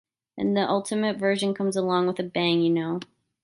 And the ultimate version comes along with a bang, you know.